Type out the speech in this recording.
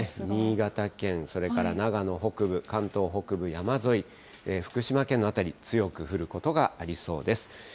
新潟県、それから長野北部、関東北部山沿い、福島県の辺り、強く降ることがありそうです。